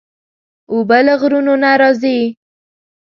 اوبه له غرونو نه راځي.